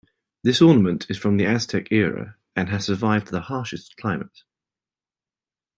This ornament is from the Aztec era and has survived the harshest climate.